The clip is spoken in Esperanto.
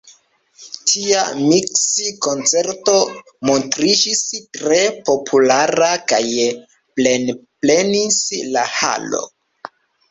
Tia miks-koncerto montriĝis tre populara kaj plenplenis la halo.